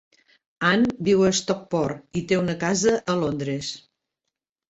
Ann viu a Stockport i té una casa a Londres.